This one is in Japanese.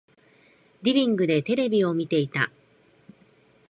リビングでテレビを見ていた。